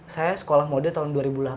saya sekolah mode tahun dua ribu delapan